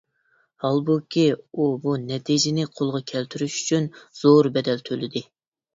ھالبۇكى، ئۇ بۇ نەتىجىنى قولغا كەلتۈرۈش ئۈچۈن زور بەدەل تۆلىدى.